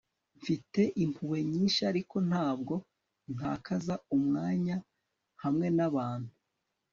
mfite impuhwe nyinshi, ariko ntabwo ntakaza umwanya hamwe n'abantu